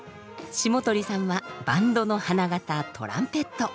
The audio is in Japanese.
霜鳥さんはバンドの花形トランペット。